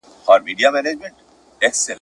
سو خبر د خپل نصیب له درانه سوکه ..